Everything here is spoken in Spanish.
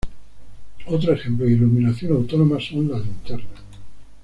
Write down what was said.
Otro ejemplo de iluminación autónoma son las linternas.